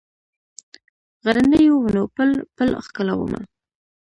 غرنیو ونو پل، پل ښکلومه